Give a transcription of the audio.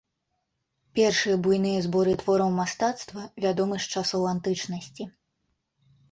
Першыя буйныя зборы твораў мастацтва вядомы з часоў антычнасці.